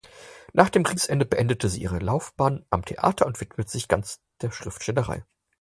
Nach Kriegsende beendete sie ihre Laufbahn am Theater und widmete sich ganz der Schriftstellerei.